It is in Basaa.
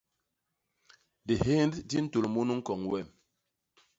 Dihénd di ntôl munu ñkon wem.